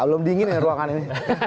belum dingin ya ruangan ini